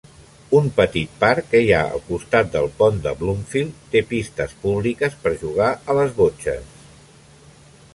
Un petit parc que hi ha al costat del pont de Bloomfield té pistes públiques per jugar a les botxes.